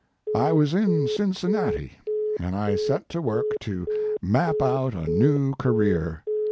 I was in Cincinnati and I set to work to map out a new career.